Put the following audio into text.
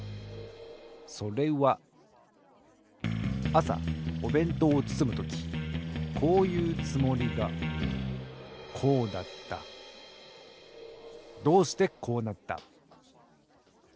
それはあさおべんとうをつつむときこういうつもりがこうだったどうしてこうなった？